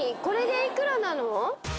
これで幾らなの？